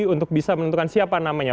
untuk bisa menentukan siapa namanya